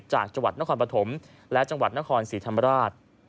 จากจังหวัดนครปฐมและจังหวัดนครศรีธรรมราช